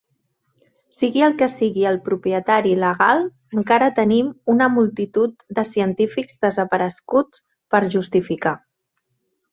Sigui el qui sigui el propietari legal, encara tenim una multitud de científics desapareguts per justificar.